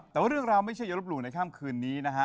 แต่ว่าเรื่องราวไม่ใช่อย่าลบหลู่ในค่ำคืนนี้นะฮะ